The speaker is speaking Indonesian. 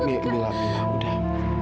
enggak mila mila udah